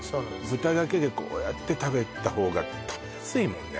豚だけでこうやって食べた方が食べやすいもんね